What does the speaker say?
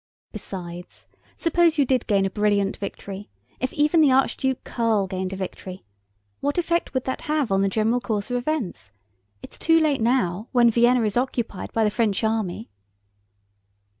Besides, suppose you did gain a brilliant victory, if even the Archduke Karl gained a victory, what effect would that have on the general course of events? It's too late now when Vienna is occupied by the French army!"